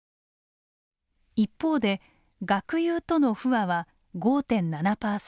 一方で学友との不和は５．７％。